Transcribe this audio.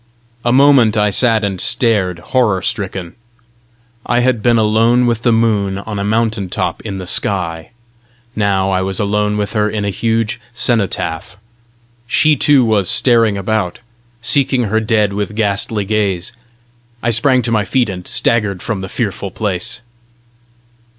A moment I sat and stared horror stricken. I had been alone with the moon on a mountain top in the sky; now I was alone with her in a huge cenotaph: she too was staring about, seeking her dead with ghastly gaze! I sprang to my feet, and staggered from the fearful place.